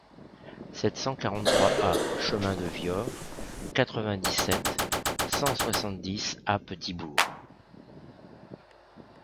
sept cent quarante-trois A chemin de Viard, quatre-vingt-dix-sept, cent soixante-dix à Petit-Bourg